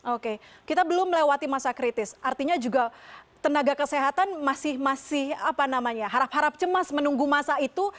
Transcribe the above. oke kita belum melewati masa kritis artinya juga tenaga kesehatan masih harap harap cemas menunggu masa itu